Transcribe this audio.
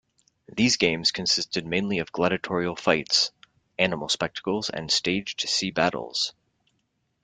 These games consisted mainly of gladiatorial fights, animal spectacles and staged sea battles.